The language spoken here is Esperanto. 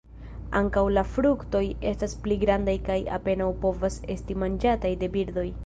Ankaŭ la fruktoj estas pli grandaj kaj apenaŭ povas esti manĝataj de birdoj.